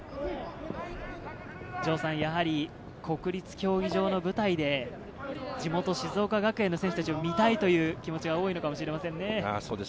国立競技場の舞台で、地元・静岡学園の選手たちも見たいという気持ちが多いのかもしれませんね。